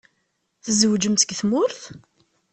Tzewǧemt deg tmurt?